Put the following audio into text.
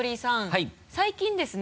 最近ですね